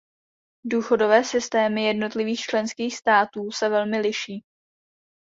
Důchodové systémy jednotlivých členských států se velmi liší.